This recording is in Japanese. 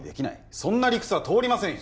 そんな理屈は通りませんよ